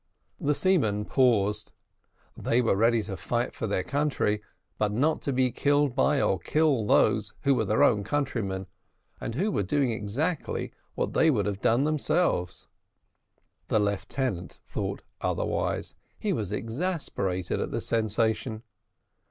The seamen paused they were ready to fight for their country, but not to be killed by or kill those who were their own countrymen, and who were doing exactly what they would have done themselves. The lieutenant thought otherwise; he was exasperated at this sensation.